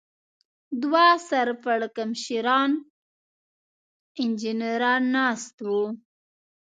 دوه سر پړکمشران انجنیران ناست و.